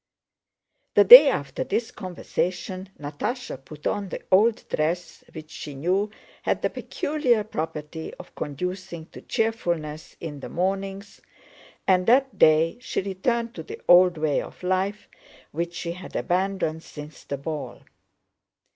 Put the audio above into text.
The day after this conversation Natásha put on the old dress which she knew had the peculiar property of conducing to cheerfulness in the mornings, and that day she returned to the old way of life which she had abandoned since the ball.